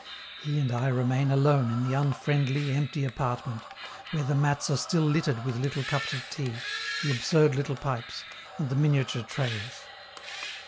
He and I remain alone in the unfriendly, empty apartment, where the mats are still littered with the little cups of tea, the absurd little pipes, and the miniature trays.